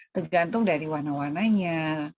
tergantung dari warna warnanya